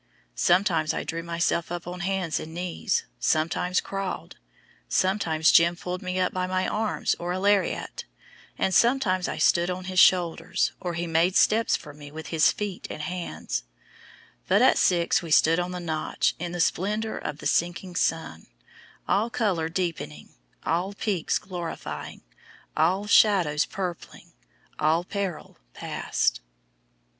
Sometimes I drew myself up on hands and knees, sometimes crawled; sometimes "Jim" pulled me up by my arms or a lariat, and sometimes I stood on his shoulders, or he made steps for me of his feet and hands, but at six we stood on the "Notch" in the splendor of the sinking sun, all color deepening, all peaks glorifying, all shadows purpling, all peril past.